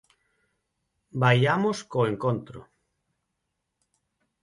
Vaiamos co encontro.